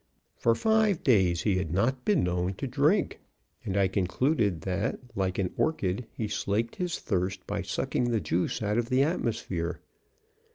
For five days he had not been known to drink, and I concluded that, like an orchid, he slaked his thirst by sucking the juice out of the atmosphere.